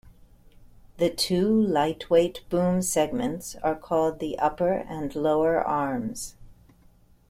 The two lightweight boom segments are called the upper and lower arms.